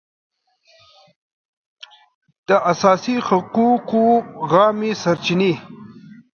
د اساسي حقوقو عامې سرچینې